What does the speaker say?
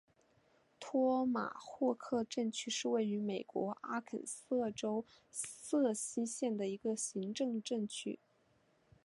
托马霍克镇区是位于美国阿肯色州瑟西县的一个行政镇区。